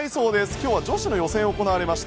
今日は女子の予選が行われました。